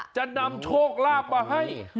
จะนำโชคลาภมาให้